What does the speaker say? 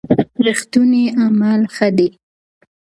رښتوني عمل ښه دی.